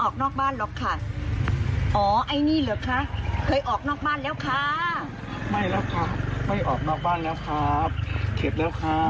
ควบปฏิสิบเก้าแล้วจ้ะออกนอกบ้านอย่าลืมใส่นักแกะ